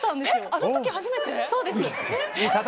あの時初めて？